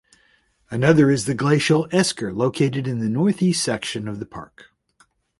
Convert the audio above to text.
Another is the glacial esker located in the northeast section of the park.